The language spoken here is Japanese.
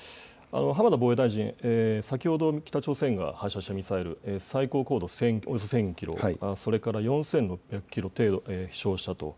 浜田防衛大臣、先ほど、北朝鮮が発射したミサイル、最高高度およそ１０００キロ、それから４６００キロ程度飛しょうしたと。